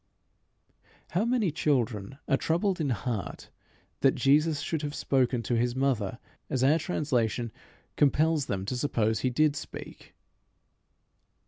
How many children are troubled in heart that Jesus should have spoken to his mother as our translation compels them to suppose he did speak!